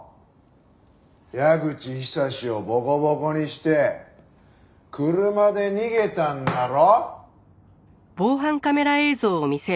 矢口久志をボコボコにして車で逃げたんだろ？